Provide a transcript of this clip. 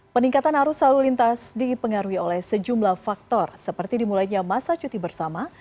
peningkatan arus lalu lintas dipengaruhi oleh sejumlah faktor seperti dimulainya masa cuti bersama